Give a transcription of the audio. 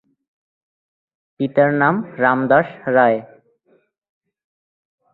পিতার নাম রামদাস রায়।